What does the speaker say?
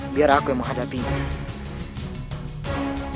biar aku yang menghadapimu